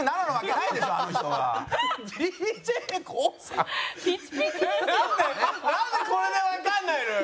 なんでこれでわかんないのよ。